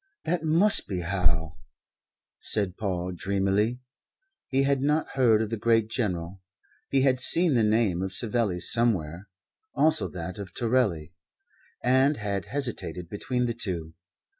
"That must be how," said Paul dreamily. He had not heard of the great general. He had seen the name of Savelli somewhere also that of Torelli and had hesitated between the two.